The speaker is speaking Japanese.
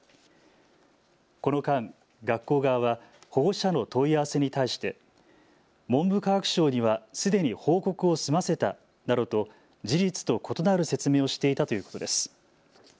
この間、学校側は保護者の問い合わせに対して文部科学省にはすでに報告を済ませたなどと事実と異なる説明をしていたということです。